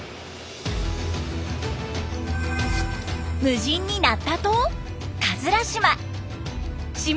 無人になった島島。